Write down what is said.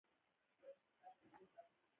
پوځونه ډېر زیات مخته ولاړ نه شي.